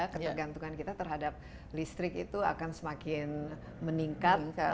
ketergantungan kita terhadap listrik itu akan semakin meningkat